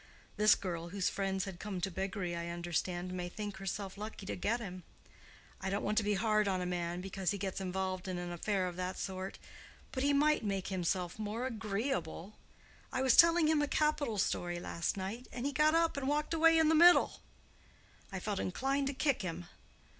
This girl, whose friends had come to beggary, I understand, may think herself lucky to get him. I don't want to be hard on a man because he gets involved in an affair of that sort. But he might make himself more agreeable. I was telling him a capital story last night, and he got up and walked away in the middle. I felt inclined to kick him.